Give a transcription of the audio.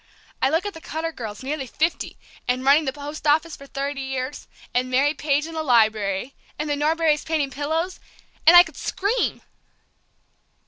I look at the Cutter girls, nearly fifty, and running the post office for thirty years, and Mary Page in the Library, and the Norberrys painting pillows, and I could scream!"